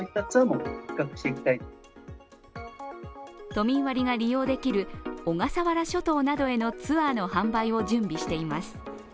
都民割が利用できる小笠原諸島などへのツアーの販売を準備しています。